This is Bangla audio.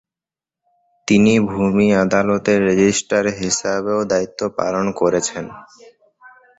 তিনি ভূমি আদালতের রেজিস্ট্রার হিসেবেও দায়িত্বপালন করেছেন।